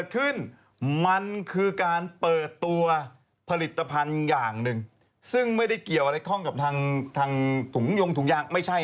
คุณสามารถใช้เจ้ากระป๋องนี้